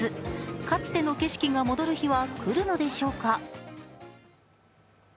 かつての景色が戻る日は来るのでしょうか。